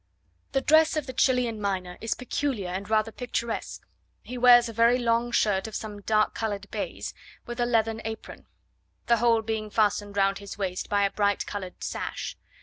The dress of the Chilian miner is peculiar and rather picturesque He wears a very long shirt of some dark coloured baize, with a leathern apron; the whole being fastened round his waist by a bright coloured sash.